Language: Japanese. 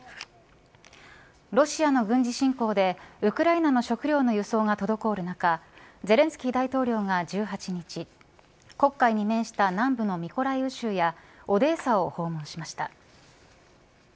ロシアの軍事侵攻でウクライナの食料の輸送が滞る中ゼレンスキー大統領が１８日黒海に面した南部のミコライウ州やオデーサを訪問しました。